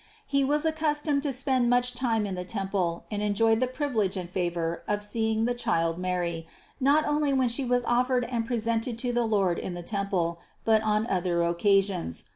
He was accustomed to spend much time in the temple and enjoyed the privi lege and favor of seeing the child Mary, not only when She was offered and presented to the Lord in the temple, but on other occasions.